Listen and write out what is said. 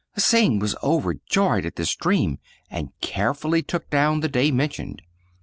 Hsing was overjoyed at this dream, and carefully took down the day mentioned.